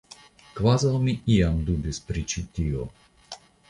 Kvazaŭ mi iam dubis pri ĉi tio!